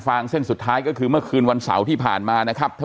งเส้นสุดท้ายก็คือเมื่อคืนวันเสาร์ที่ผ่านมานะครับท่าน